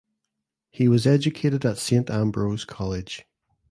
He was educated at Saint Ambrose College.